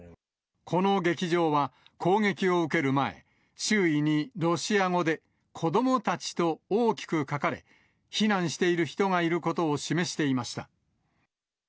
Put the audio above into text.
この劇場は、攻撃を受ける前、周囲にロシア語で子どもたちと大きく書かれ、避難している人がいることを示していました。